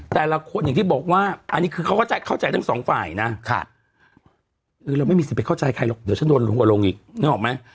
แต่ละคนอย่างที่บอกว่าอันนี้คือเขาก็เข้าใจทั้งสองฝ่ายนะเออเราไม่มีสิทธิ์ไปเข้าใจใครหรอกเดี๋ยวฉันโดนรัวลงอีกนึกออกไหม